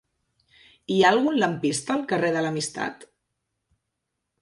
Hi ha algun lampista al carrer de l'Amistat?